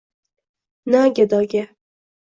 Na gadoga